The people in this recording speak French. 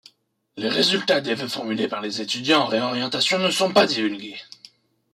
Les résultats des vœux formulés par les étudiants en réorientation ne sont pas divulgués.